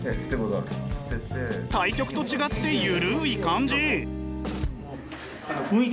対局と違って緩い感じ！